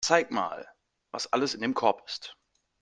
Zeig mal, was alles in dem Korb ist.